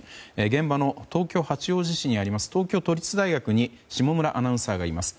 現場の東京・八王子市にあります東京都立大学に下村アナウンサーがいます。